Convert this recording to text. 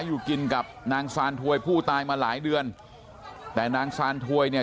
อยู่กินกับนางซานถวยผู้ตายมาหลายเดือนแต่นางซานถวยเนี่ย